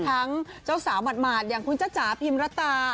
ทั้งเจ้าสาวหมาดอย่างคุณจ้าจ๋าพิมรตา